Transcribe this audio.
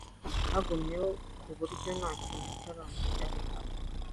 Hagumyeho kuburyo ntakintu cyabantu cyari hafi